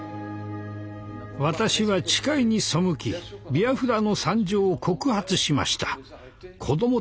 私は誓いに背きビアフラの惨状を告発しました。